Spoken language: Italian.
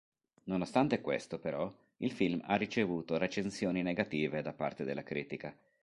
Nonostante questo però, il film ha ricevuto recensioni negative da parte della critica.